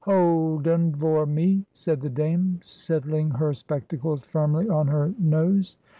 "Hold un vor me," said the Dame, settling her spectacles firmly on her nose.